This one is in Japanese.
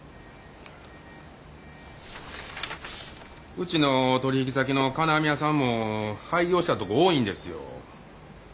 うちの取引先の金網屋さんも廃業したとこ多いんですよ。